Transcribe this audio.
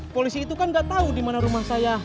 polisi itu kan gak tau dimana rumah saya